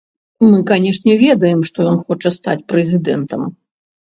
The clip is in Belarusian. Мы канешне, ведаем, што ён хоча стаць прэзідэнтам.